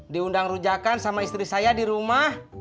diundang rujakan sama istri saya di rumah